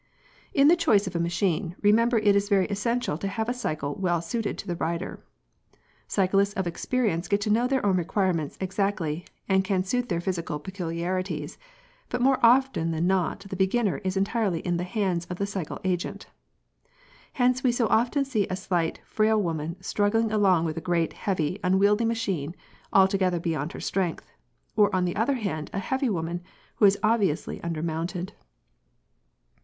p> In the choice of a machine, remember it is very essential to have a cycle well suited to the rider. Cyclists of experience get to know their own requirements exactly and can suit their physical peculiarities, but more often than not the beginner is entirely in the hands of the cycle agent. Hence we so often see a slight, frail woman struggling along with a great, heavy unwieldy machine altogether beyond her strength, or on the other hand a heavy woman who is obviously under mounted.